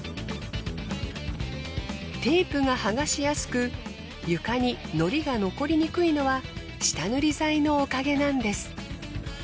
テープが剥がしやすく床に糊が残りにくいのは下塗り剤のおかげなんです。